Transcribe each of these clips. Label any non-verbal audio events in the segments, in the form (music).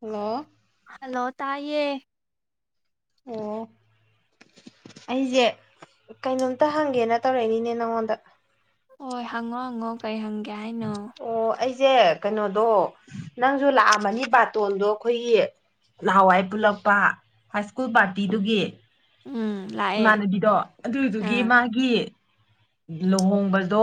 hello hello ꯇꯥꯏꯌꯦ ꯑꯣ ꯑꯩꯖꯦ ꯀꯩꯅꯣꯝꯇ ꯍꯪꯒꯦꯅ ꯇꯧꯔꯛꯏꯅꯤꯅꯦ ꯅꯉꯣꯟꯗ ꯍꯣꯏ ꯍꯪꯉꯣ ꯍꯪꯉꯣ ꯀꯔꯤ ꯍꯪꯒꯦ ꯍꯥꯏꯅꯣ ꯏꯆꯦ ꯀꯩꯅꯣꯗꯣ ꯅꯪꯖꯨ ꯂꯥꯛꯑꯝꯃꯅꯤ ꯕꯥꯔꯇꯣꯟꯗꯣ ꯑꯈꯣꯏꯒꯤ ꯅꯍꯥꯟꯋꯥꯏ ꯄꯨꯜꯂꯛꯄ ꯍꯥꯏ ꯁ꯭ꯀꯨꯜ ꯄꯥꯔꯇꯤꯗꯨꯒꯤ ꯎꯝ ꯂꯥꯛꯑꯦ ꯏꯃꯥꯟꯅꯕꯤꯗꯣ ꯑꯗꯨꯗꯨꯒꯤ ꯑꯥ ꯃꯥꯒꯤ ꯂꯨꯍꯣꯡꯕꯗꯣ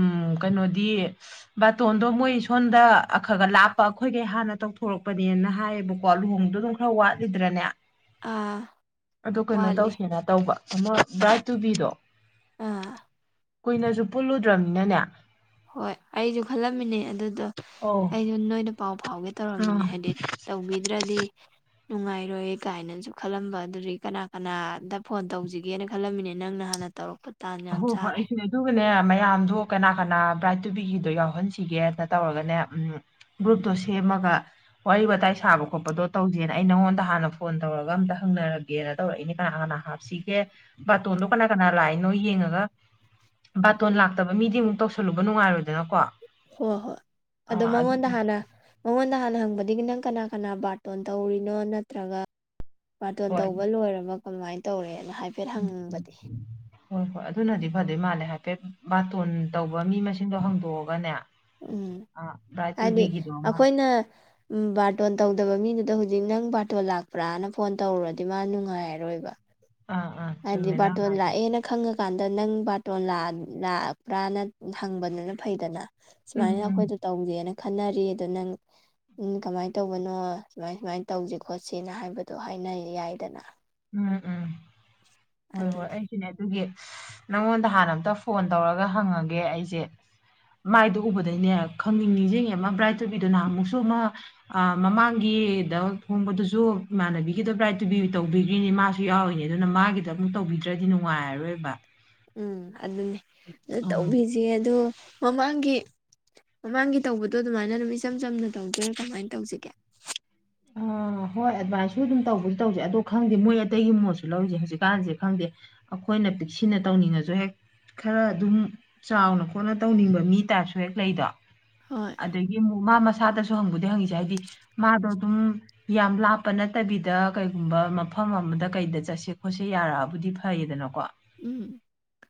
ꯎꯝ ꯀꯩꯅꯣꯗꯤ ꯁ ꯕꯥꯇꯣꯟꯗꯣ ꯃꯣꯏ ꯁꯣꯟꯗ ꯑꯈꯒ ꯂꯥꯞꯄ ꯑꯩꯈꯣꯏꯒꯩ ꯍꯥꯟꯅ ꯇꯧꯊꯣꯔꯛꯄꯅꯦꯅ ꯍꯥꯏꯌꯦꯕꯀꯣ ꯂꯨꯍꯣꯡꯕꯗꯣ ꯑꯗꯨꯝ ꯈꯔ ꯋꯥꯠꯂꯤꯗ꯭ꯔꯅꯦ ꯑꯥ ꯑꯗꯨ ꯀꯩꯅꯣ ꯋꯥꯠꯂꯤ ꯇꯧꯁꯦꯅ ꯇꯧꯕ ꯑꯃ ꯕ꯭ꯔꯥꯏꯠ ꯇꯨꯕꯤꯗꯣ ꯑꯥ ꯀꯨꯏꯅꯁꯨ ꯄꯨꯜꯂꯨꯗ꯭ꯔꯃꯤꯅꯅꯦ ꯍꯣꯏ ꯑꯩꯖꯨ ꯈꯜꯂꯝꯃꯤꯅꯦ ꯑꯗꯨꯗꯣ ꯑꯧ ꯑꯩꯖꯨ ꯅꯣꯏꯗ ꯄꯥꯎ ꯐꯥꯎꯒꯦ ꯇꯧꯔꯝꯃꯤꯅꯦ ꯑꯥ ꯍꯥꯏꯗꯤ ꯇꯧꯕꯤꯗ꯭ꯔꯗꯤ ꯅꯨꯡꯉꯥꯏꯔꯣꯏ ꯀꯥꯏꯅꯁꯨ ꯈꯜꯂꯝꯕ ꯑꯗꯨꯗꯤ ꯀꯅꯥ ꯀꯅꯥꯗ ꯐꯣꯟ ꯇꯧꯁꯤꯒꯦꯅ ꯈꯜꯂꯝꯃꯤꯅꯦ ꯅꯪꯅ ꯍꯥꯏ ꯇ ꯑ ꯍꯣꯏ ꯍꯣꯏ ꯑꯩꯁꯨꯅꯦ ꯑꯗꯨꯒꯅꯦ ꯃꯌꯥꯝꯗꯣ ꯀꯅꯥ ꯀꯅꯥ ꯕ꯭ꯔꯥꯏꯠ ꯇꯨꯕꯤꯒꯤꯗꯣ ꯌꯥꯎꯍꯟꯁꯤꯒꯦ ꯇꯧꯔꯒꯅꯦ ꯎ ꯒ꯭ꯔꯨꯞꯇꯣ ꯁꯦꯝ ꯑꯃꯒ ꯋꯥꯔꯤ ꯋꯥꯇꯥꯏ ꯁꯥꯕ ꯈꯣꯠꯄꯗꯣ ꯇꯧꯖꯦꯅ ꯑꯩ ꯅꯪꯉꯣꯟꯗ ꯍꯥꯟꯅ ꯐꯣꯟ ꯇꯧꯔꯒ ꯑꯝꯇ ꯍꯪꯅꯔꯒꯦꯅ ꯛ ꯀꯅꯥ ꯀꯅꯥ ꯍꯥꯞꯒꯦ ꯕꯥꯇꯣꯟ ꯀꯅꯥ ꯀꯅꯥ ꯅ ꯌꯦꯡꯉꯒ ꯕꯥꯇꯣꯟ ꯂꯥꯛꯇꯕ ꯃꯤꯗꯤ ꯑꯃꯨꯛ ꯇꯧꯁꯜꯂꯨꯕ ꯅꯨꯡꯉꯥꯏꯔꯣꯏꯗꯅꯀꯣ ꯍꯣ ꯍꯣꯏ ꯑꯗꯣ ꯑꯥ ꯑꯗꯨ ꯃꯉꯣꯟꯗ ꯍꯥꯟꯅ ꯃꯉꯣꯟꯗ ꯍꯥꯟꯅ ꯍꯥꯡꯕꯗꯒꯤ ꯅꯪ ꯀꯅꯥ ꯀꯅꯥ ꯕꯥꯔꯇꯣꯟ ꯇꯧꯔꯤꯅꯣ ꯅꯠꯇ꯭ꯔꯒ ꯕꯥꯔꯇꯣꯟ ꯍꯣꯏ ꯇꯧꯕ ꯂꯣꯏꯔꯕ ꯀꯃꯥꯏꯅ ꯇꯧꯔꯦꯅ ꯍꯥꯏꯐꯦꯠ ꯎꯝ ꯎꯝ ꯍꯪꯅꯤꯡꯕꯗꯤ ꯍꯣꯏ ꯍꯣꯏ ꯑꯗꯨꯅꯗꯤ ꯐꯗꯣꯏ ꯃꯥꯜꯂꯦ ꯍꯥꯏ ꯍꯥꯏꯐꯦꯠ ꯕꯥꯇꯣꯟ ꯇꯧꯕ ꯃꯤ ꯃꯁꯤꯡꯗꯣ ꯍꯥꯡꯗꯣꯛꯑꯒꯅꯦ ꯎꯝ ꯍꯥꯏꯗꯤ ꯑꯃ ꯑꯩꯈꯣꯏꯅ ꯕꯥꯔꯇꯣꯟ ꯇꯧ ꯃꯤꯗꯨꯗ ꯍꯧꯖꯤꯛ ꯅꯪ ꯄꯥꯔꯇꯣꯜ ꯂꯥꯛꯄ꯭ꯔꯥꯅ ꯐꯣꯟ ꯇꯧꯔꯨꯔꯗꯤ ꯃꯥ ꯅꯨꯡꯉꯥꯏꯔꯔꯣꯏꯕ ꯑꯥ ꯑꯥ ꯍꯥꯏꯗꯤ ꯆꯨꯝꯃꯦ ꯅꯪ ꯕꯥꯔꯇꯣꯟ ꯍꯥꯏꯗꯨꯁꯨ ꯂꯥꯛꯑꯦꯅ ꯈꯪꯉꯒ ꯀꯥꯟꯗ ꯅꯪ ꯕꯥꯇꯣꯟ ꯂꯥꯛꯄ꯭ꯔꯥꯅ ꯍꯪꯕꯅꯤꯅ ꯐꯩꯗꯅ ꯎꯝ ꯁꯨꯃꯥꯏꯅ ꯎꯝ ꯑꯩꯈꯣꯏꯗꯣ ꯇꯧꯒꯦꯅ ꯈꯟꯅꯔꯤ ꯑꯗꯨ ꯅꯪ ꯎꯝ ꯀꯃꯥꯏꯅ ꯇꯧꯕꯅꯣ ꯁꯨꯃꯥꯏ ꯁꯨꯃꯥꯏꯅ ꯇꯧꯁꯤ ꯈꯣꯠꯁꯤꯅ ꯍꯥꯏꯕꯗꯣ ꯍꯥꯏꯅ ꯌꯥꯏꯗꯅ ꯎꯝ ꯎꯝ ꯍꯣꯏ ꯍꯣꯏ ꯑꯗꯨꯅꯤ ꯑꯩꯁꯨꯅꯦ ꯑꯗꯨꯒꯤ ꯅꯪꯉꯣꯟꯗ ꯍꯥꯟꯅ ꯑꯃꯝꯇ ꯐꯣꯟ ꯇꯧꯔꯒ ꯍꯪꯉꯒꯦ ꯑꯩꯁꯦ ꯃꯥꯏꯗꯨ ꯎꯕꯗꯩꯅꯦ ꯈꯪꯅꯤꯡ ꯅꯤꯡꯁꯤꯡꯉ ꯑꯃ ꯕ꯭ꯔꯥꯏꯠ ꯇꯧꯕꯤꯗꯨꯅ ꯑꯃꯨꯛꯁꯨ ꯑꯃ ꯃꯃꯥꯡꯒꯤ ꯗ ꯐꯣꯡꯕꯗꯨꯁꯨ ꯏꯃꯅꯕꯤꯒꯤꯗꯥꯏ ꯇꯨ ꯇꯧꯕꯤ ꯑꯗꯨꯏꯅꯦ ꯃꯥꯁꯨ ꯌꯥꯎꯏꯅꯦ ꯑꯗꯨꯅ ꯃꯥꯒꯤꯗ ꯑꯃꯨꯛ ꯇꯧꯕꯤꯗ꯭ꯔꯗꯤ ꯅꯨꯡꯉꯥꯏꯔꯔꯣꯏꯕ ꯎꯝ ꯑꯗꯨꯅꯦ ꯑ ꯎꯝ ꯇꯧꯕꯤꯁꯦ ꯑꯗꯣ ꯃꯃꯥꯡꯒꯤ ꯃꯃꯥꯡꯒꯤ ꯇꯧꯕꯗꯣ ꯑꯗꯨꯃꯥꯏꯅ ꯑꯗꯨꯝ ꯏꯆꯝ ꯆꯝꯅ ꯇꯧꯖꯔꯥ ꯀꯃꯥꯏꯅ ꯇꯧꯁꯤꯒꯦ ꯑꯥ ꯍꯣꯏ ꯑꯗꯨꯝꯃꯥꯢꯅꯁꯨ ꯑꯗꯨꯝ ꯇꯧꯕꯗꯤ ꯇꯧꯁꯦ ꯑꯗꯣ ꯈꯪꯗꯦ ꯃꯣꯏ ꯑꯇꯩꯒꯤ ꯃꯣꯠꯁꯨ ꯂꯧꯔꯤꯁꯦ ꯍꯧꯖꯤꯛꯀꯥꯟꯁꯦ ꯈꯪꯗꯦ ꯑꯩꯈꯣꯏꯅ ꯁꯤꯅ ꯇꯧꯅꯤꯡꯉꯁꯨ ꯍꯦꯛ ꯈꯔ ꯑꯗꯨꯝ ꯆꯥꯎꯅ ꯈꯣꯠꯅ ꯇꯧꯅꯤꯡꯕ ꯃꯤ ꯇꯥꯔꯁꯨ ꯍꯦꯛ ꯂꯩꯗꯣ ꯍꯣꯏ ꯑꯗꯒꯤ ꯑꯃꯨꯝ ꯃꯥ ꯃꯁꯥꯗꯁꯨ ꯍꯪꯕꯗꯤ ꯍꯪꯈꯤꯁꯦ ꯍꯥꯏꯗꯤ ꯃꯥꯗꯣ ꯑꯗꯨꯝ ꯌꯥꯝ ꯂꯥꯞꯄ ꯅꯠꯇꯕꯤꯗ ꯀꯩꯒꯨꯝꯕ ꯃꯐꯝ ꯑꯃꯗ ꯀꯩꯗ ꯆꯠꯁꯦ ꯈꯣꯠꯁꯦ ꯌꯥꯔꯛꯑꯕꯨꯗꯤ ꯐꯩꯌꯦꯗꯅꯀꯣ ꯎꯝ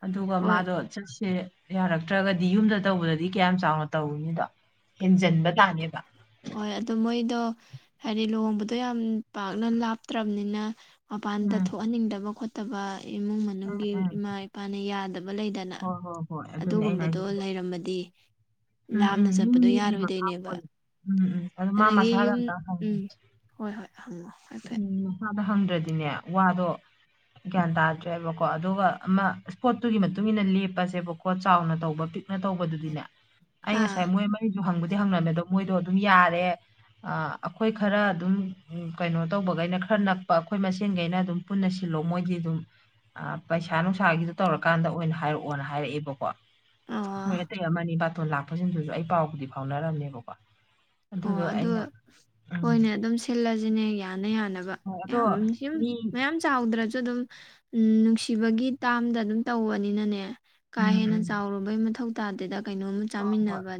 ꯑꯗꯨꯒ ꯍꯣꯏ ꯃꯥꯗꯣ ꯆꯠꯁꯦ ꯌꯥꯔꯛꯇ꯭ꯔꯒꯗꯤ ꯌꯨꯝꯗ ꯇꯧꯕꯗꯗꯤ ꯀꯌꯥꯝ ꯆꯥꯎꯅ ꯇꯧꯔꯤꯅꯤꯗꯣ ꯍꯦꯟꯖꯤꯟꯕ ꯇꯥꯅꯦꯕ ꯍꯣꯏ ꯑꯗꯨ ꯃꯣꯏꯗꯣ ꯍꯥꯏꯗꯤ ꯂꯨꯍꯣꯡꯕꯗꯣ ꯌꯥꯝ ꯄꯥꯛꯅ ꯂꯥꯞꯇ꯭ꯔꯕꯅꯤꯅ ꯃꯄꯥꯟꯗ ꯎꯝ ꯊꯣꯛꯍꯟꯅꯤꯡꯗꯕ ꯈꯣꯠꯇꯕ ꯏꯃꯨꯡ ꯃꯅꯨꯡꯒꯤ ꯎꯝ ꯏꯃꯥ ꯏꯄꯥꯅ ꯌꯥ ꯂꯩꯗꯅ ꯍꯣꯏ ꯍꯣꯏ ꯍꯣꯏ ꯑꯗꯨꯅꯦ ꯑꯩꯅ ꯍꯥꯏꯁꯦ ꯑꯗꯨꯒꯨꯝꯕꯗꯣ ꯑꯗꯣ ꯂꯩꯔꯝꯃꯗꯤ ꯎꯝ ꯎꯝ ꯂꯥꯞꯅ ꯃꯤ ꯆꯠꯄꯗꯣ ꯃꯤꯒꯤ ꯃꯈꯥ ꯌꯥꯔꯣꯏꯗꯣꯏꯅꯦꯕ ꯄꯣꯜꯂꯤ ꯎꯝ ꯎꯝ ꯑꯗꯨ ꯃꯥ ꯑꯗꯒꯤ ꯃꯁꯥꯗ ꯌꯨꯝ ꯑꯝꯇ ꯍꯪꯉꯦ ꯎꯝ ꯍꯣꯏ ꯍꯣꯏ ꯍꯥꯏꯐꯦꯠ ꯎꯝ ꯃꯁꯥꯗ ꯍꯪꯗ꯭ꯔꯗꯤꯅꯦ ꯋꯥꯗꯣ ꯒ꯭ꯌꯥꯟ ꯇꯥꯗ꯭ꯔꯦꯕꯀꯣ ꯑꯗꯨꯒ ꯑꯃ ꯏꯁꯄꯣꯠꯇꯨꯒꯤ ꯃꯇꯨꯡ ꯏꯟꯅ ꯂꯦꯞꯄꯁꯦꯕꯀꯣ ꯆꯥꯎꯅ ꯇꯧꯕ ꯇꯧꯕꯗꯨꯗꯤꯅꯦ ꯑꯩ ꯑꯥ ꯉꯁꯥꯏ ꯃꯣꯏ ꯃꯔꯤꯗꯨ ꯍꯪꯕꯨꯗꯤ ꯍꯪꯅꯗꯧ ꯃꯣꯏꯗꯣ ꯑꯗꯨꯝ ꯌꯥꯔꯦ ꯑꯩꯈꯣꯏ ꯈꯔ ꯑꯗꯨꯝ ꯀꯩꯅꯣ ꯇꯧꯕꯈꯩꯅ ꯈꯔ ꯅꯛꯄ ꯑꯩꯈꯣꯏ ꯃꯁꯦꯟꯈꯩꯅ ꯑꯗꯨꯝ ꯄꯨꯟꯅ ꯁꯤꯜꯂꯣ ꯃꯣꯏꯗꯤ ꯑꯗꯨꯝ ꯑ ꯄꯩꯁꯥ ꯅꯨꯡꯁꯥꯒꯤꯗꯨꯣ ꯇꯧꯔꯀꯥꯟꯗ ꯑꯣꯏꯅ ꯍꯥꯏꯔꯛꯑꯣꯅ ꯍꯥꯏꯔꯛꯑꯦꯕꯀꯣ ꯑꯣ ꯃꯣꯏ ꯑꯇꯩ ꯑꯃꯅꯤ ꯕꯥꯇꯣꯟ ꯂꯥꯛꯄꯁꯤꯡꯗꯨꯁꯨ ꯑꯩ ꯄꯥꯎꯕꯨꯗꯤ ꯐꯥꯎꯅꯔꯝꯅꯦꯕꯀꯣ ꯑꯣ ꯑꯗꯨꯗꯣ ꯑꯗꯨ ꯑꯩꯅ ꯎꯝ ꯍꯣꯏꯅꯦ ꯑꯗꯨꯝ ꯁꯤꯜꯂꯁꯤꯅꯦ ꯌꯥꯅ ꯌꯥꯅꯕ ꯍꯣꯏ ꯑꯗꯣ ꯌꯥꯝ ꯁꯨꯝ ꯃꯤ ꯃꯌꯥꯝ ꯆꯥꯎꯗ꯭ꯔꯁꯨ ꯑꯗꯨꯝ ꯎꯝ ꯅꯨꯡꯁꯤꯕꯒꯤ ꯇꯥꯝꯗ ꯑꯗꯨꯝ ꯇꯧꯕꯅꯤꯅꯅꯦ ꯀꯥ ꯎꯝ ꯍꯦꯟꯅ ꯎꯝ ꯆꯥꯎꯔꯨꯕꯩ ꯃꯊꯧ ꯇꯥꯗꯦꯗ ꯀꯩꯅꯣꯝꯃ ꯍꯣꯏ ꯍꯣꯏ ꯆꯥꯃꯤꯟꯅꯕ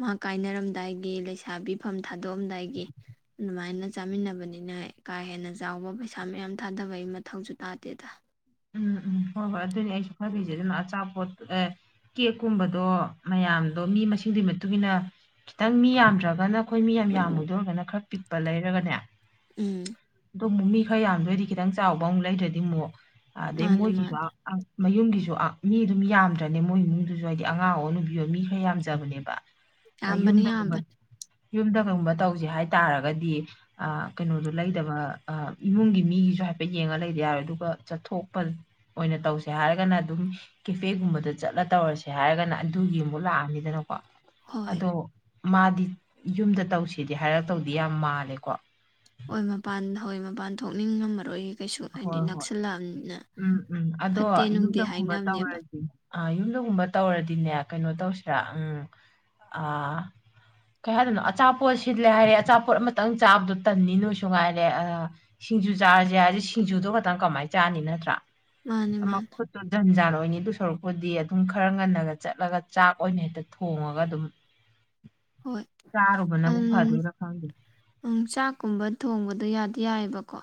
ꯃꯥ ꯀꯥꯏꯅꯔꯝꯗꯥꯏꯒꯤ ꯂꯩꯁ ꯂꯩꯁꯕꯤ ꯐꯝ ꯊꯥꯗꯣꯛꯑꯝꯗꯥꯏꯒꯤ ꯑꯗꯨꯃꯥꯏꯅ ꯆꯥꯃꯤꯟꯅꯕꯅꯤꯅ ꯀꯥ ꯍꯦꯟꯅ ꯆꯥꯎꯕ ꯄꯩꯁꯥ ꯃꯌꯥꯝ ꯌꯥꯝ ꯊꯥꯗꯕꯩ ꯃꯊꯧꯁꯨ ꯇꯥꯗꯦꯗ ꯎꯝ ꯎꯝ ꯍꯣꯏ ꯍꯣꯏ ꯑꯗꯨꯅꯦ ꯑꯩꯁꯨ ꯈꯥꯜꯂꯤꯁꯦ ꯑꯗꯨꯅ ꯑꯆꯥꯄꯣꯠꯠꯇ ꯑꯦ ꯀꯦꯛꯀꯨꯝꯕꯗꯣ ꯃꯌꯥꯝꯗꯣ ꯃꯤ ꯃꯁꯤꯡꯗꯨꯒꯤ ꯃꯇꯨꯡ ꯏ ꯃꯇꯨꯡꯏꯟꯅ ꯈꯤꯇꯪ ꯃꯤ ꯌꯥꯝꯗ꯭ꯔꯒꯅ ꯑꯩꯈꯣꯏ ꯃꯤ ꯌꯥꯝ ꯌꯥꯝꯃꯨꯗ ꯑꯣꯏꯔꯒꯅ ꯈꯔ ꯄꯤꯛꯄ ꯂꯩꯔꯒꯅꯦ ꯎꯝ ꯑꯗꯣ ꯑꯃꯨꯛ ꯃꯤ ꯈꯔ ꯌꯥꯝꯗꯔꯗꯤ ꯈꯤꯇꯪ ꯆꯥꯎꯕ ꯑꯃꯨꯛ ꯂꯩꯗ꯭ꯔꯗꯤ ꯑꯃꯨꯛ ꯑꯗꯩ ꯃꯥꯅꯦ ꯃꯣꯏꯒꯤꯁꯨ ꯃꯥꯅꯦ ꯃꯌꯨꯝꯒꯤꯁꯨ ꯃꯤ ꯑꯗꯨꯝ ꯌꯥꯝꯗ꯭ꯔꯅꯦ ꯃꯣꯏ ꯏꯃꯨꯡꯗꯨꯁꯨ ꯍꯥꯏꯗꯤ ꯑꯉꯥꯡ ꯑꯣꯏ ꯅꯨꯕꯤꯌꯣ ꯃꯤ ꯈꯔ ꯌꯥꯝꯖꯕꯅꯦꯕ ꯌꯝꯕꯅꯤ ꯌꯥꯝꯕꯅꯤ ꯌꯨꯝꯗ ꯀꯩꯒꯨꯝꯕ ꯇꯧꯁꯦ ꯍꯥꯏꯇꯥꯔꯒꯗꯤ ꯀꯩꯅꯣꯗꯣ ꯂꯩꯇꯕ ꯏꯃꯨꯡꯒꯤ ꯃꯤꯒꯤꯁꯨ ꯍꯥꯏꯐꯦꯠ ꯌꯦꯡꯉꯒ ꯂꯩꯗꯤ ꯌꯥꯔꯣꯏ ꯑꯗꯨꯒ ꯆꯠꯊꯣꯛꯄ ꯑꯣꯏꯅ ꯇꯧꯁꯦ ꯍꯥꯏꯔꯒꯅ ꯑꯗꯨꯝ ꯀꯦꯐꯦꯒꯨꯝꯕꯗ ꯆꯠꯂ ꯇꯧꯔꯁꯦ ꯍꯥꯏꯔꯒꯅ ꯑꯗꯨ ꯌꯦꯡꯕ ꯂꯥꯛꯑꯅꯤꯗꯅꯀꯣ ꯍꯣꯏ ꯑꯗꯣ ꯃꯥꯗꯤ ꯌꯨꯝꯗ ꯇꯧꯁꯤꯗꯤ ꯍꯥꯏꯔꯛꯇꯧꯗꯤ ꯌꯥꯝ ꯃꯥꯜꯂꯦꯀꯣ ꯍꯣꯏ ꯃꯄꯥꯟ ꯍꯣꯏ ꯃꯄꯥꯟ ꯊꯣꯛꯅꯤꯡꯉꯝꯃꯔꯣꯏꯌꯦ ꯀꯩꯁꯨ ꯍꯥꯏꯗꯤ ꯍꯣꯏ ꯍꯣꯏ ꯅꯛꯁꯜꯂꯛꯑꯝꯅꯤꯅ ꯎꯝ ꯎꯝ ꯑꯗꯣ ꯐꯠꯇꯦ ꯅꯨꯡꯗꯦ ꯌꯨꯝꯗꯒꯨꯝꯕ ꯍꯥꯏꯅꯕꯅꯦꯕ ꯇꯧꯔꯗꯤ ꯑ ꯌꯨꯝꯗꯒꯨꯝꯕ ꯇꯧꯔꯗꯤꯅꯦ ꯀꯩꯅꯣ ꯇꯧꯁꯤꯔꯥ ꯎꯝ ꯑꯥ ꯀꯩ ꯍꯥꯏꯗꯣꯏꯅꯣ ꯑꯆꯥꯄꯣꯠ ꯁꯤꯜꯂꯦ ꯍꯥꯏꯔꯦ ꯑꯆꯥꯄꯣꯠ ꯑꯃꯇꯪ ꯆꯥꯕꯗꯣ ꯇꯟꯅꯤ ꯅꯣꯏꯁꯨ ꯉꯥꯏꯔꯦ ꯁꯤꯡꯖꯨ ꯆꯥꯔꯁꯦ ꯍꯥꯏꯔꯗꯤ ꯁꯤꯡꯖꯨꯗꯣ ꯈꯛꯇꯪ ꯀꯃꯥꯏꯅ ꯆꯥꯅꯤ ꯅꯠꯇ꯭ꯔꯥ ꯃꯥꯅꯦ ꯑꯃ ꯃꯥꯅꯦ ꯈꯨꯠꯇꯣ ꯖꯟꯖꯥꯟ ꯂꯣꯏꯅꯤꯗꯨ ꯁꯔꯨꯛꯄꯨꯗꯤ ꯑꯗꯨꯝ ꯈꯔ ꯉꯟꯅꯒ ꯆꯠꯂꯒ ꯆꯥꯛ ꯑꯣꯏꯅ ꯍꯦꯛꯇ ꯊꯣꯡꯉꯒ ꯑꯗꯨꯝ ꯍꯣꯏ ꯆꯥꯔꯨꯕꯅꯕꯨ ꯑꯟ ꯐꯥꯗꯣꯏꯔ ꯈꯪꯗꯦ ꯆꯥꯛꯀꯨꯝꯕ ꯊꯣꯡꯕꯗꯣ ꯌꯥꯗꯤ ꯌꯥꯏꯑꯕꯀꯣ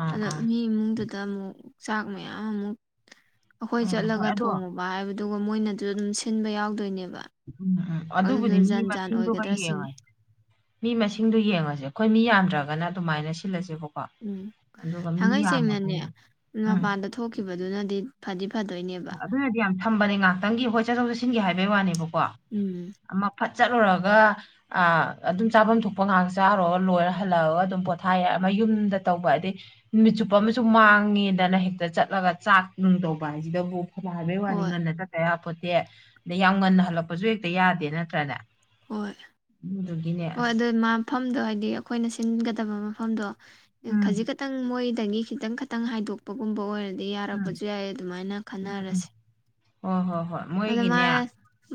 ꯑꯥ ꯑꯗ ꯑꯥ ꯃꯤ ꯏꯃꯨꯡꯗꯨꯗ ꯑꯃꯨꯛ ꯆꯥꯛ ꯃꯌꯥꯝ ꯑꯃꯨꯛ ꯑꯩꯈꯣꯏ ꯎꯝ ꯍꯣꯏ ꯆꯠꯂꯒ ꯑꯗꯣ ꯊꯣꯡꯉꯨꯕ ꯍꯥꯏꯕ ꯑꯗꯨꯒ ꯃꯣꯏꯅꯁꯨ ꯑꯗꯨꯝ ꯁꯤꯟꯕ ꯌꯥꯎꯗꯣꯏꯅꯦꯕ ꯎꯝ ꯎꯝ ꯑꯗꯨꯗ ꯑꯗꯨꯕꯨꯗꯤ ꯃꯤ ꯖꯟ ꯖꯥꯟ ꯃꯁꯤꯡꯗꯨꯒ ꯑꯣꯏꯒꯗ꯭ꯔꯥ ꯁꯤꯅꯤ ꯌꯦꯡꯉꯁꯤ ꯃꯤ ꯃꯁꯤꯡꯗꯣ ꯌꯦꯡꯉꯁꯦ ꯑꯩꯈꯣꯏ ꯃꯤ ꯌꯥꯝꯗ꯭ꯔꯒꯅ ꯑꯗꯨꯃꯥꯏꯅ ꯁꯤꯜꯂꯁꯦꯕ ꯎꯝ ꯊꯥꯡꯉꯩ ꯁꯦꯡꯅꯅꯦ ꯎꯝ ꯃꯄꯥꯟꯗ ꯊꯣꯛꯈꯤꯕꯗꯨꯅꯗꯤ ꯐꯗꯤ ꯐꯗꯣꯏꯅꯦꯕ ꯑꯗꯨꯅꯗꯤ ꯌꯥꯝ ꯁꯝꯕꯅꯦ ꯉꯥꯏꯍꯥꯛꯇꯪꯒꯤ ꯍꯣꯏ ꯆꯠꯊꯣꯛ ꯆꯠꯁꯤꯟꯒꯤ ꯍꯥꯏꯕꯩ ꯋꯥꯅꯦꯕꯀꯣ ꯎꯝ ꯑꯃ ꯐꯠ ꯆꯠꯂꯨꯔꯒ ꯑꯗꯨꯝ ꯆꯥꯐꯝ ꯊꯣꯛꯄ ꯉꯥꯏꯍꯛ ꯆꯥꯔꯣꯒ ꯂꯣꯏꯔ ꯍꯜꯂꯛꯑꯒ ꯑꯗꯨꯝ ꯄꯣꯊꯥꯏꯌꯥꯏ ꯌꯨꯝꯗ ꯇꯧꯕ ꯍꯥꯏꯗꯤ ꯅꯨꯃꯤꯠ ꯆꯨꯞꯄ ꯑꯃꯁꯨ ꯃꯥꯡꯉꯦꯗꯅ ꯍꯦꯛꯇ ꯆꯠꯂꯒ ꯆꯥꯛ ꯅꯨꯡ ꯇꯧꯕ ꯍꯥꯏꯁꯦ ꯁꯤꯗꯕꯨ ꯐꯅ ꯍꯥꯏꯕꯩ ꯋꯥꯅꯤ ꯍꯣꯏ ꯉꯟꯅ ꯆꯠꯇꯌꯥꯄꯣꯠꯇꯦ ꯁꯦ ꯑꯗꯩ ꯌꯥꯝ ꯉꯟꯅ ꯍꯜꯂꯛꯄꯁꯨ ꯍꯦꯛꯇ ꯌꯥꯗꯦ ꯅꯠꯇ꯭ꯔꯅꯦ ꯍꯣꯏ ꯑꯗꯨꯗꯨꯒꯤꯅꯦ ꯍꯣꯏ ꯑꯁ ꯑꯗꯨ ꯃꯐꯝꯗꯣ ꯍꯥꯏꯗꯤ ꯑꯩꯈꯣꯏꯅ ꯁꯤꯟꯒꯗꯕ ꯃꯐꯝꯗꯣ ꯎꯝ ꯈꯖꯤꯛ ꯈꯛꯇꯪ ꯃꯣꯏꯗꯒꯤ ꯈꯤꯇꯪ ꯈꯥꯇꯪ ꯍꯥꯏꯗꯣꯛꯄꯒꯨꯝꯕ ꯑꯣꯏꯔꯗꯤ ꯑꯗꯩ ꯎꯝ ꯌꯥꯔꯛꯄꯁꯨ ꯌꯥꯏꯌꯦ ꯑꯗꯨꯃꯥꯏꯅ ꯈꯟꯅꯔꯁꯦ ꯑꯣ ꯍꯣ ꯑꯗꯥ ꯃꯥ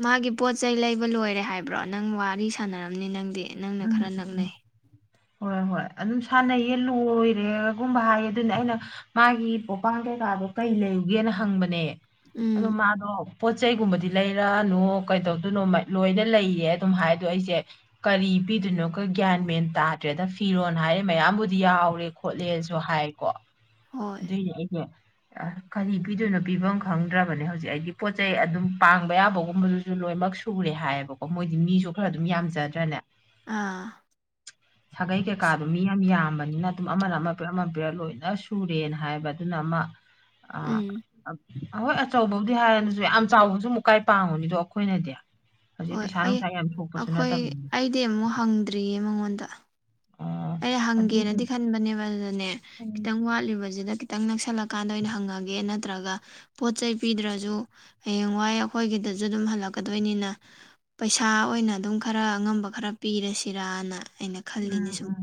ꯃꯥꯒꯤ ꯄꯣꯠ ꯆꯩ ꯂꯩꯕ ꯂꯣꯏꯔꯦ ꯍꯥꯏꯕ꯭ꯔꯣ ꯅꯪ ꯋꯥꯔꯤ ꯁꯥꯟꯅꯔꯝꯅꯤ ꯅꯪꯗꯤ ꯅꯪꯅ ꯈꯔ ꯎꯝ ꯎꯝ ꯅꯛꯅꯩ ꯍꯣꯏ ꯍꯣꯏ ꯑꯗꯨꯝ ꯁꯥꯟꯅꯩꯌꯦ ꯂꯣꯏꯔꯦꯒꯨꯝꯕ ꯍꯥꯏꯌꯦ ꯑꯗꯨꯅ ꯑꯩꯅ ꯃꯥꯒꯤ ꯄꯣꯞꯄꯥꯡꯗꯩ ꯀꯩꯀꯥꯗꯣ ꯀꯩ ꯂꯩꯌꯨꯒꯦꯅ ꯍꯪꯕꯅꯦ ꯎꯝ ꯑꯗꯣ ꯃꯥꯗꯣ ꯄꯣꯠ ꯆꯩꯩꯒꯨꯝꯕꯗꯤ ꯂꯩꯔꯅꯨ ꯀꯩꯗꯧꯗꯣꯏꯅꯣ ꯂꯣꯏꯅ ꯂꯩꯔꯦ ꯑꯗꯨꯝ ꯍꯥꯏꯗꯣ ꯑꯩꯁꯦ ꯀꯔꯤ ꯄꯤꯗꯣꯏꯅꯣ ꯒꯤꯌꯥ꯭ꯟ ꯃꯦꯟ ꯇꯥ ꯈꯪꯗꯔꯦꯗ ꯐꯤꯔꯣꯜ ꯍꯥꯏꯔꯦ ꯃꯌꯥꯝꯕꯨꯗꯤ ꯌꯥꯎꯔꯦ ꯈꯣꯠꯂꯦꯁꯨ ꯍꯥꯏꯀꯣ ꯍꯣꯏ ꯑꯗꯨꯏ ꯑꯩꯗꯣ ꯑ ꯀꯔꯤ ꯄꯤꯗꯣꯏꯅꯣ ꯄꯤꯐꯝ ꯈꯪꯗ꯭ꯔꯕꯅꯦ ꯍꯧꯖꯤꯛ ꯑꯩꯗꯤ ꯄꯣꯠ ꯆꯩ ꯑꯗꯨꯝ ꯄꯥꯡꯕ ꯌꯥꯕꯒꯨꯝꯕꯗꯨꯁꯨ ꯂꯣꯏꯃꯛ ꯁꯨꯔꯦ ꯍꯥꯏꯌꯦꯕꯀꯣ ꯃꯣꯏꯗꯤ ꯃꯤꯁꯨ ꯈꯔ ꯑꯗꯨꯝ ꯌꯥꯝꯖꯗ꯭ꯔꯅꯦ ꯑꯥ ꯁꯥꯒꯩ ꯀꯩꯀꯥꯗꯣ ꯃꯤ ꯌꯥꯝ ꯌꯥꯝꯕꯅꯤꯅ ꯑꯗꯨꯝ ꯑꯃꯅ ꯑꯃ ꯄꯤꯔꯛ ꯑꯃ ꯄꯤꯔꯛ ꯂꯣꯏꯅ ꯁꯨꯔꯦꯅ ꯍꯥꯏꯌꯦꯕ ꯑꯗꯨꯅ ꯑꯃ ꯑ ꯎꯝ ꯑꯍꯣꯏ ꯑꯆꯧꯕꯕꯨꯗꯤ ꯍꯥꯏꯔꯦꯅꯁꯨ ꯌꯥꯝ ꯆꯥꯎꯕꯁꯨ ꯃꯨꯛꯀꯥꯏ ꯄꯥꯡꯉꯨꯅꯤꯗꯣ ꯑꯩꯈꯣꯏꯅꯗꯤ ꯍꯧꯖꯤꯛ ꯍꯣꯏ ꯄꯩꯁꯥ ꯑꯩ ꯅꯨꯡꯁꯥ ꯌꯥꯝ ꯊꯣꯛꯄꯁꯨ ꯑꯩꯈꯣꯏ ꯅꯠꯇꯕꯅꯤꯅ ꯑꯩꯗꯤ ꯑꯃꯨꯛ ꯍꯪꯗ꯭ꯔꯤꯌꯦ ꯃꯉꯣꯟꯗ ꯑꯣ ꯑꯩ ꯑꯗꯨꯅꯤ ꯍꯪꯒꯦꯅꯗꯤ ꯈꯟꯕꯅꯦꯕ ꯑꯗꯨꯗꯅꯦ ꯈꯤꯇꯪ ꯋꯥꯠꯂꯤꯕꯁꯤꯗ ꯈꯤꯇꯪ ꯅꯛꯁꯜꯂꯀꯥꯟꯗ ꯑꯣꯏꯅ ꯍꯪꯉꯒꯦ ꯅꯠꯇ꯭ꯔꯒ ꯄꯣꯠ ꯆꯩ ꯄꯤꯗ꯭ꯔꯁꯨ ꯍꯌꯦꯡꯋꯥꯏ ꯑꯩꯈꯣꯏꯒꯤꯗ ꯁꯨ ꯑꯗꯨꯝ ꯍꯜꯂꯛꯀꯗꯣꯏꯅꯤꯅ ꯄꯩꯁꯥ ꯑꯣꯏꯅ ꯑꯗꯨꯝ ꯈꯔ ꯑꯉꯝꯕ ꯈꯔ ꯄꯤꯔꯁꯤꯔꯅ ꯑꯩꯅ ꯈꯜꯂꯤꯅꯤ ꯎꯝ ꯁꯨꯝ ꯎꯝ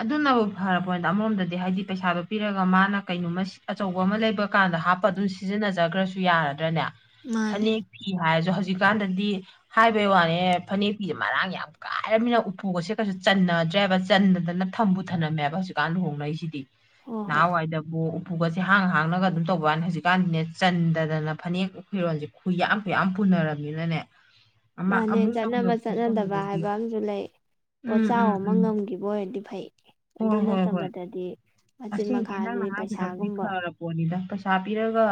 ꯑꯗꯨꯅꯕꯨ ꯐꯔꯕꯅꯤꯅꯗ ꯑꯃꯔꯣꯝꯗꯗꯤ ꯍꯥꯏꯗꯤ ꯄꯩꯁꯥꯗꯣ ꯄꯤꯔꯒ ꯃꯥꯅ ꯀꯩꯅꯣꯃ ꯑꯆꯧꯕ ꯑꯃ ꯂꯩꯕ ꯀꯥꯟꯗ ꯍꯥꯞꯄ ꯑꯗꯨꯝ ꯁꯤꯖꯤꯟꯅꯖꯈ꯭ꯔꯁꯨ ꯌꯥꯔꯗ꯭ꯔꯅꯦ ꯃꯥꯅꯦ ꯐꯅꯦꯛ ꯐꯤ ꯍꯥꯏꯔꯁꯨ ꯍꯧ ꯍꯧꯖꯤꯛꯀꯥꯟꯗꯗꯤ ꯍꯥꯏꯕꯩ ꯋꯥꯅꯦ ꯐꯅꯦꯛ ꯐꯤ ꯃꯔꯥꯡ ꯌꯥꯝ ꯀꯥꯏꯔꯕꯃꯤꯅ ꯎꯄꯨꯒꯁꯦ ꯀꯩꯁꯨ ꯆꯟꯅꯗ꯭ꯔꯦꯕ ꯆꯟꯗꯗꯥꯅ ꯊꯝꯕꯨ ꯊꯝꯅꯝꯃꯦꯕ ꯍꯧꯖꯤꯛꯀꯥꯟ ꯂꯨꯍꯣꯡꯅꯔꯤꯁꯤꯗꯤ ꯍꯣꯏ ꯍꯣꯏ ꯅꯍꯟꯋꯥꯏꯗꯕꯨ ꯎꯄꯨꯒꯁꯦ ꯍꯥꯡ ꯍꯥꯡꯅꯒ ꯑꯗꯨꯝ ꯇꯧꯕ ꯋꯥꯅꯤ ꯍꯧꯖꯤꯛꯀꯥꯟꯗꯤꯅꯦ ꯆꯟꯗꯗꯅ ꯐꯅꯦꯛ ꯐꯤꯔꯣꯟꯜꯁꯦ ꯈꯨꯏ ꯌꯥꯝ ꯈꯨꯏ ꯌꯥꯝ ꯄꯨ ꯄꯨꯅꯔꯝꯅꯤꯅꯅꯦ ꯃꯥꯅꯦ ꯆꯠꯅꯕ ꯆꯠꯅꯗꯕ ꯍꯥꯏꯕ ꯑꯃꯁꯨ ꯂꯩ ꯎꯝ ꯄꯣꯠꯆꯥꯎ ꯎꯝ ꯑꯃ ꯎꯝ ꯉꯝꯈꯤꯕ ꯑꯣꯏꯔꯗꯤ ꯐꯩ ꯑꯗꯨ ꯍꯣꯏ ꯍꯣꯏ ꯍꯣꯏ ꯅꯠꯇꯕꯗꯗꯤ ꯃꯆꯤꯠ ꯃꯈꯥꯒꯤ ꯄꯩꯁꯥꯒꯨꯝꯕ ꯗ ꯄꯩꯁꯥ ꯄꯤꯔꯒ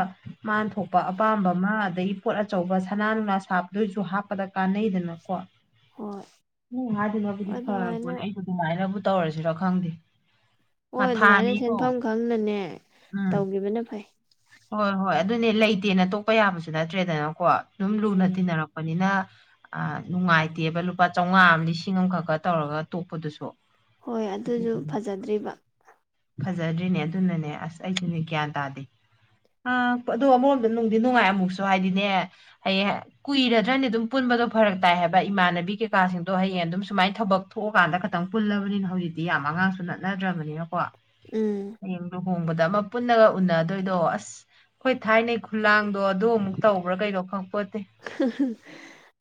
ꯃꯥꯅ ꯊꯣꯛꯄ ꯑꯄꯥꯝꯕ ꯑꯃ ꯑꯗꯩ ꯄꯣꯠ ꯑꯆꯧꯕ ꯁꯅꯥ ꯅꯨꯡꯂꯥ ꯁꯥꯕꯗꯣꯏꯁꯨ ꯍꯥꯞꯄꯗ ꯀꯥꯟꯅꯩꯗꯅꯀꯣ ꯍꯣꯏ ꯎꯝ ꯍꯥꯏꯗꯅꯕꯨꯗꯤ ꯑꯗꯨꯃꯥꯏꯅ ꯐꯔꯕꯣꯅꯦ ꯑꯩꯕꯨ ꯑꯗꯨꯃꯥꯏꯅꯕꯨ ꯇꯧꯔꯁꯤꯔ ꯈꯪꯗꯦ ꯍꯣꯏ ꯑꯗꯨꯃꯥꯏꯅ ꯃꯊꯥꯅꯤꯀꯣ ꯁꯦꯟꯐꯝ ꯈꯪꯅꯅꯦ ꯎꯝ ꯇꯧꯈꯤꯕꯅ ꯐꯩ ꯍꯣꯏ ꯍꯣꯏ ꯑꯗꯨꯅꯦ ꯂꯩꯇꯦꯅ ꯇꯣꯛꯄ ꯌꯥꯕꯁꯨ ꯅꯠꯇ꯭ꯔꯦꯗꯅꯀꯣ ꯑꯗꯨꯝ ꯂꯨꯅ ꯎꯝ ꯇꯤꯟꯅꯔꯛꯄꯅꯤꯅ ꯑ ꯅꯨꯡꯉꯥꯏꯇꯦꯕ ꯂꯨꯄꯥ ꯆꯥꯝꯃꯉꯥ ꯑꯃ ꯂꯤꯁꯤꯡ ꯑꯃꯈꯛꯀꯥ ꯇꯧꯔꯒ ꯇꯣꯛꯄꯗꯨꯁꯨ ꯍꯣꯏ ꯑꯗꯨꯁꯨ ꯑꯗꯨꯗꯨꯅ ꯐꯖꯗ꯭ꯔꯤꯕ ꯐꯖꯗ꯭ꯔꯤꯅꯦ ꯑꯗꯨꯅꯅꯦ ꯑꯁ ꯑꯩꯁꯨꯅꯦ ꯒ꯭ꯤꯌꯥꯟ ꯇꯥꯗꯦ ꯑ ꯑꯗꯣ ꯑꯃꯔꯣꯝꯗ ꯅꯨꯡꯗꯤ ꯅꯨꯡꯉꯥꯏ ꯑꯃꯨꯛꯁꯨ ꯍꯥꯏꯗꯤꯅꯦ ꯍꯌꯦꯡ ꯀꯨꯏꯔꯗ꯭ꯔꯅꯦ ꯑꯗꯨꯝ ꯄꯨꯟꯕ ꯗꯣ ꯐꯔꯛ ꯇꯥꯏ ꯍꯥꯏꯕ ꯏꯃꯥꯟꯅꯕꯤ ꯀꯩꯀꯥꯁꯤꯡꯗꯣ ꯍꯌꯦꯡ ꯑꯗꯨꯝ ꯁꯨꯃꯥꯏꯅ ꯊꯕꯛ ꯊꯣꯛꯑꯀꯥꯟꯗ ꯈꯈꯤꯇꯪ ꯄꯨꯜꯂꯕꯅꯤꯅ ꯍꯧꯖꯤꯛꯇꯤ ꯌꯥꯝ ꯑꯉꯥꯡꯁꯨ ꯅꯠꯅꯗ꯭ꯔꯕꯅꯤꯅꯀꯣ ꯎꯝ ꯍꯌꯦꯡꯗꯨꯨ ꯍꯣꯡꯕꯗ ꯑꯃ ꯄꯨꯟꯅꯒ ꯎꯅꯗꯣꯏꯗꯣ ꯑꯁ ꯍꯣꯏ ꯊꯥꯏꯅꯩ ꯈꯨꯂꯥꯡꯗꯣ ꯑꯗꯨ ꯑꯃꯨꯛ ꯇꯧꯕ꯭ꯔꯥ ꯀꯩꯅꯣ ꯈꯪꯉ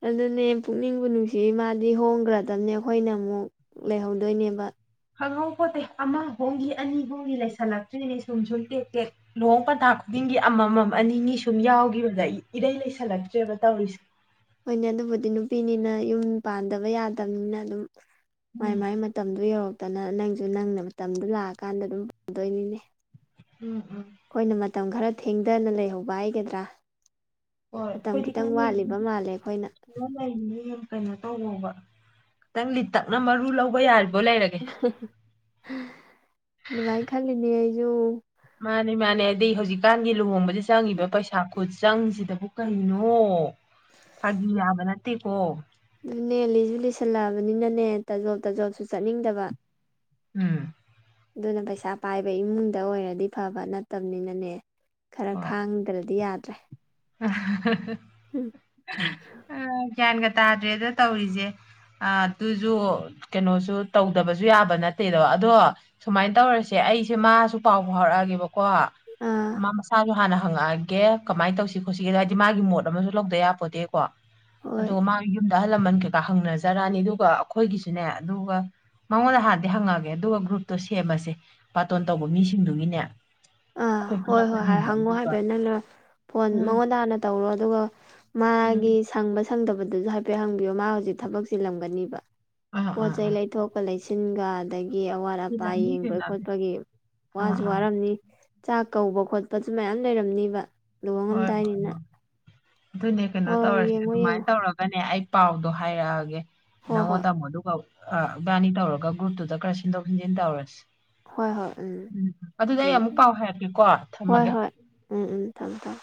ꯑꯗꯨꯅꯦ ꯄꯨꯛꯅꯤꯡ ꯀꯨ ꯅꯨꯡꯁꯤ ꯃꯥꯗꯤ ꯍꯣꯡꯈ꯭ꯔꯗꯕꯅꯦ ꯑꯩꯈꯣꯏꯅ ꯑꯃꯨꯛ ꯂꯩꯍꯧꯗꯣꯏꯅꯦꯕ ꯈꯪꯉꯧ ꯄꯣꯠꯠꯇꯩ ꯑꯃ ꯍꯣꯡꯒꯤ ꯑꯅꯤ ꯍꯣꯡꯒꯤ ꯂꯩꯁꯜꯂꯛꯇ꯭ꯔꯤꯅꯦ ꯁꯨꯝ ꯁꯨꯝ ꯇꯦꯛ ꯇꯦꯛ ꯂꯨꯍꯣꯡ ꯄꯇꯥ ꯈꯨꯗꯤ ꯆꯤꯡꯒꯤ ꯑꯃꯃꯝ ꯑꯅꯤꯅꯤ ꯁꯨꯝ ꯌꯥꯎꯈꯤꯕꯗ ꯑꯩ ꯏꯔꯩ ꯂꯩꯁꯜꯂꯛꯇ꯭ꯔꯦꯕ ꯇꯧꯔꯤꯁꯦ ꯍꯣꯏꯅꯦ ꯑꯗꯨꯕꯨꯗꯤ ꯅꯨꯄꯤꯅꯤꯅ ꯌꯨꯝ ꯄꯥꯟꯗꯕ ꯌꯥꯗꯕꯅꯤꯅ ꯑꯗꯨꯝ ꯃꯥꯏ ꯎꯝ ꯃꯥꯏ ꯃꯇꯝꯗꯨ ꯌꯧꯔꯒꯦ ꯇꯅ ꯅꯪꯁꯨ ꯅꯪꯅ ꯃꯇꯝꯗꯨꯣ ꯂꯥꯛꯑꯀꯥꯟꯗ ꯑꯗꯨꯝ ꯄꯨꯗꯣꯏꯅꯤꯅꯦ ꯎꯝ ꯎꯝ ꯃꯇꯝ ꯈꯔ ꯊꯦꯡꯊꯅ ꯂꯩꯍꯧꯕ ꯍꯥꯏꯒꯗ꯭ꯔꯥ ꯍꯣꯏ ꯃꯇꯝ ꯑꯩꯈꯣꯏꯗꯤ ꯈꯤꯇꯪ ꯈꯔ ꯋꯥꯠꯂꯤꯕ ꯂꯩꯔꯤꯅꯤ ꯃꯥꯜꯂꯦ ꯑꯩꯈꯣꯏꯅ ꯈ ꯂꯩꯔꯤꯅꯤ ꯌꯥꯝ ꯀꯩꯅꯣ ꯇꯧꯉꯣꯕ ꯈꯤꯇꯪ ꯂꯤꯇꯛꯅ ꯃꯔꯨ ꯂꯧꯕ ꯌꯥꯔꯤꯕ ꯑꯗꯨꯚꯥꯏ ꯈꯜꯂꯤꯅꯦ ꯑꯩꯁꯨ ꯃꯥꯅꯦ ꯃꯥꯅꯦ ꯍꯥꯏꯗꯤ ꯍꯧꯖꯤꯛꯀꯥꯟꯒꯤ ꯂꯨꯍꯣꯡꯕꯗ ꯆꯪꯉꯤꯕ ꯄꯩꯁꯥ ꯈꯨꯠ ꯆꯪꯁꯤꯗꯕꯨ ꯀꯩꯅꯣ ꯑꯣ ꯐꯥꯒꯤ ꯌꯥꯕ ꯅꯠꯇꯦꯀꯣ ꯑꯗꯨꯅꯦ ꯂꯤꯁꯨ ꯂꯤꯁꯜꯂꯛꯑꯕꯅꯤꯅꯅꯦ ꯇꯥꯖꯣꯞ ꯇꯥꯖꯣꯞꯁꯨ ꯆꯠꯅꯤꯡꯗꯕ ꯎꯝ ꯑꯗꯨꯅ ꯄꯩꯁꯥ ꯄꯥꯏꯕ ꯏꯃꯨꯡꯗ ꯑꯣꯏꯔꯗꯤ ꯐꯕ ꯅꯠꯇꯕꯅꯤꯅꯅꯦ ꯈꯔ ꯍꯣꯏ ꯈꯥꯡꯗ꯭ꯔꯗꯤ ꯌꯥꯗ꯭ꯔꯦ (unintelligible) ꯎꯝ ꯑ, ꯒ꯭ꯌꯥꯟꯒ ꯇꯥꯗ꯭ꯔꯦꯗ ꯇꯧꯔꯤꯁꯦ ꯑ ꯑꯗꯨꯁꯨ ꯀꯩꯅꯣꯁꯨ ꯇꯧꯗꯕꯁꯨ ꯌꯥꯕ ꯅꯠꯇꯦꯗꯣ ꯑꯗꯣ ꯁꯨꯃꯥꯏꯅ ꯇꯧꯔꯁꯦ ꯑꯩꯁꯦ ꯃꯥꯁꯨ ꯄꯥꯎ ꯐꯥꯎꯔꯛꯑꯒꯦꯕꯀꯣ ꯑꯥ ꯃꯥ ꯃꯁꯥꯁꯨ ꯍꯥꯟꯅ ꯍꯪꯉꯛꯑꯒꯦ ꯀꯃꯥꯏꯅ ꯇꯧꯁꯤ ꯈꯣꯠꯁꯤꯦꯗ ꯍꯥꯏꯗꯤ ꯃꯥꯒꯤ ꯃꯣꯠ ꯑꯃꯁꯨ ꯂꯧꯗ ꯌꯥꯄꯣꯗꯦꯀꯣ ꯍꯣꯏ ꯑꯗꯨꯒ ꯃꯥꯒꯤ ꯌꯨꯝꯗ ꯑꯍꯜ ꯂꯃꯟ ꯀꯩꯀꯥ ꯍꯪꯅꯖꯔꯛꯅꯤ ꯑꯗꯨꯒ ꯑꯩꯈꯣꯏꯒꯤꯁꯨꯅꯦ ꯑꯗꯨꯒ ꯃꯉꯣꯟꯗ ꯍꯥꯟꯅꯗꯤ ꯍꯪꯉꯛꯑꯒꯦ ꯑꯗꯨꯒ ꯒ꯭ꯔꯨꯞꯇꯣ ꯁꯦꯝꯃꯁꯦ ꯕꯥꯇꯣꯟ ꯇꯧꯕ ꯃꯤꯁꯤꯡꯗꯨꯒꯤꯅꯦ ꯑꯥ ꯑꯩꯈꯣꯏ ꯍꯣꯏ ꯍꯣꯏ ꯄꯨꯜꯂꯛꯄꯁꯤꯡꯗꯣ ꯍꯪꯉꯣ ꯑꯗꯨꯒ ꯍꯥꯏꯐꯦꯅꯣꯏ ꯐꯣꯟ ꯎꯝ ꯃꯉꯣꯟ ꯇꯥꯅ ꯇꯧꯔꯣ ꯑꯗꯨꯒ ꯃꯥꯒꯤ ꯎꯝ ꯁꯪꯕ ꯁꯪꯗꯕꯗꯁꯨ ꯍꯥꯏꯐꯦꯠ ꯍꯪꯕꯤꯌꯣ ꯃꯥ ꯍꯧꯖꯤꯛ ꯊꯕꯛꯁꯤꯂꯝꯒꯅꯤꯕ ꯑꯥ ꯄꯣꯠ ꯑꯥ ꯆꯩꯩ ꯑꯥ ꯂꯩꯊꯣꯛꯀ ꯂꯩꯁꯤꯟꯒ ꯑꯗꯒꯤ ꯒꯤ ꯑꯋꯥꯠ ꯑꯄꯥ ꯆꯤꯜꯂꯝꯅꯤ ꯌꯦꯡꯕ ꯆꯤꯜꯂꯝꯅꯤ ꯈꯣꯠꯄꯒꯤ ꯑꯥ ꯋꯥꯁꯨ ꯑꯥ ꯋꯥꯔꯝꯅꯤ ꯆꯥꯛ ꯀꯧꯕ ꯈꯣꯠꯄꯁꯨ ꯃꯌꯥꯝ ꯂꯩꯔꯝꯅꯤꯕ ꯍꯣꯏ ꯍꯣꯏ ꯂꯨꯍꯉꯝꯗꯥꯏꯅꯤꯅ ꯍꯣꯏ ꯑꯗꯨꯅꯦ ꯀꯩꯅꯣ ꯇꯧꯔꯁꯦ ꯑꯗꯨꯃꯥꯏꯅ ꯇꯧꯔꯒꯅꯦ ꯑꯩ ꯄꯥꯎꯗꯣ ꯍꯥꯏꯔꯛꯑꯒꯦ ꯍꯣꯏ ꯅꯪꯉꯣꯟ ꯇꯥꯃꯣꯗꯨ ꯕꯥꯅꯤ ꯇꯧꯔꯒ ꯒ꯭ꯔꯨꯞꯇꯨꯗ ꯈꯔ ꯁꯤꯟꯗꯣꯛ ꯁꯤꯟꯖꯤꯟ ꯇꯧꯔꯁꯤ ꯍꯣꯏ ꯍꯣꯏ ꯍꯣꯏ ꯎꯝ ꯑꯗꯨꯗ ꯑꯩ ꯎꯝ ꯑꯃꯨꯛ ꯄꯥꯎ ꯍꯥꯏꯔꯛꯀꯦꯀꯣ ꯍꯣꯏ ꯊꯝꯃꯒꯦ ꯍꯣꯏ ꯎꯝ ꯎꯝ ꯊꯝꯃꯦ ꯊꯝꯃꯦ